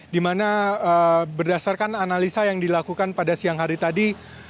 dimana berdasarkan analisa yang dilakukan pada siang hari tadi